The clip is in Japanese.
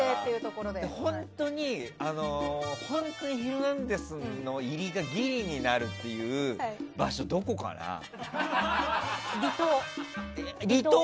本当に「ヒルナンデス！」の入りがギリになるっていう場所離島。